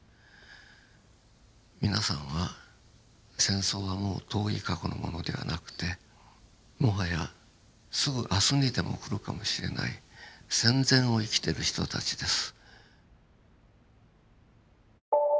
皆さんは戦争はもう遠い過去のものではなくてもはやすぐ明日にでも来るかもしれない戦前を生きてる人たちです。